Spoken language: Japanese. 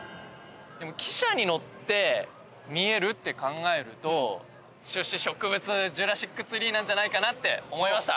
汽車に乗って見えるって考えると種子植物ジュラシック・ツリーなんじゃないかなって思いました。